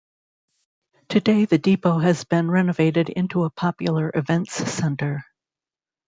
Today, the depot has been renovated into a popular events center.